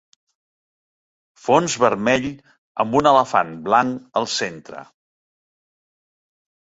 Fons vermell amb un elefant blanc al centre.